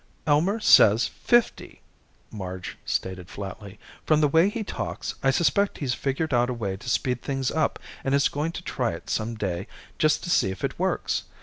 "Elmer says fifty," Marge stated flatly. "From the way he talks, I suspect he's figured out a way to speed things up and is going to try it some day just to see if it works.